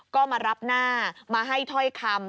ก็มารับหน้ามาให้ถ้อยคำ